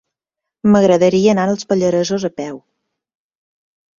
M'agradaria anar als Pallaresos a peu.